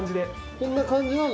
こんな感じなの？